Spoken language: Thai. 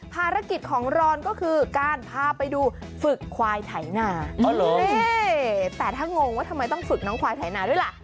ภารกิจของรอนก็คือการพาไปดูฝึกควายไถนานี่แต่ถ้างงว่าทำไมต้องฝึกน้องควายไถนาด้วยล่ะ